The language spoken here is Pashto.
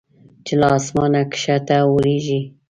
چې له اسمانه کښته اوریږي